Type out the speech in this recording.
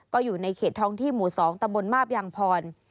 ก็อยู่ในเขตท้องที่หมู่๒ตำบลมาบยางพร